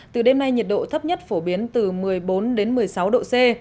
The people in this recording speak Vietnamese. từ đêm nay nhiệt độ thấp nhất phổ biến từ một mươi bốn một mươi sáu độ c